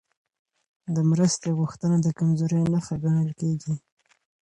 د مرستې غوښتنه د کمزورۍ نښه ګڼل کېږي.